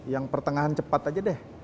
yang pertengahan cepat aja deh